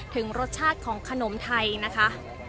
ถึงรสชาติของขนมไทยนะคะ